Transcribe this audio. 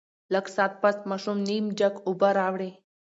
لږ ساعت پس ماشوم نيم جګ اوبۀ راوړې